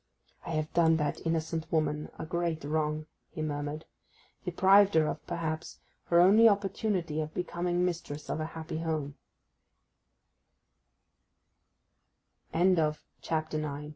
'I have done that innocent woman a great wrong!' he murmured. 'Deprived her of, perhaps, her only opportunity of becoming mistress of a happy ho